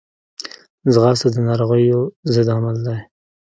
ځغاسته د ناروغیو ضد عمل دی